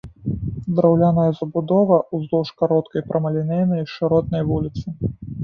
Драўляная забудова ўздоўж кароткай прамалінейнай шыротнай вуліцы.